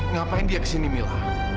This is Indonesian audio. ngapain dia kesini mila